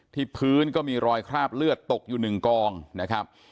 ที่พื้นก็มีรอยคราบเลือดตกอยู่หนึ่งกองนะครับ